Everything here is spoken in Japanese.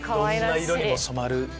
どんな色にも染まる。